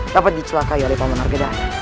dapat dicelakai oleh paman argadana